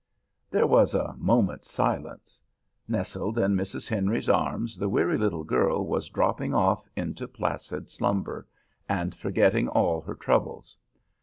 There was a moment's silence. Nestled in Mrs. Henry's arms the weary little girl was dropping off into placid slumber, and forgetting all her troubles.